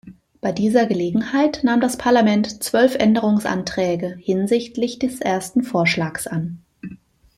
Bei dieser Gelegenheit nahm das Parlament zwölf Änderungsanträge hinsichtlich des ersten Vorschlags an.